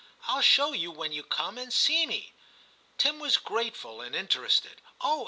I'll show you when you come and see me.' Tim was grateful and interested. ' Oh !